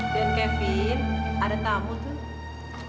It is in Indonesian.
dan kevin ada tamu tuh